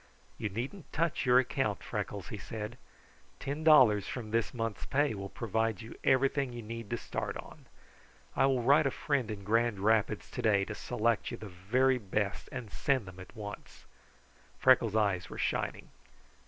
"You needn't touch your account, Freckles," he said. "Ten dollars from this month's pay will provide you everything you need to start on. I will write a friend in Grand Rapids today to select you the very best and send them at once." Freckles' eyes were shining.